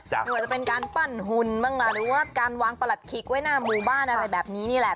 ไม่ว่าจะเป็นการปั้นหุ่นบ้างล่ะหรือว่าการวางประหลัดขิกไว้หน้าหมู่บ้านอะไรแบบนี้นี่แหละ